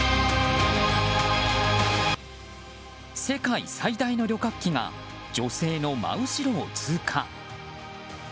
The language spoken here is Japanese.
世界最大の旅客機が女性の真後ろを通過。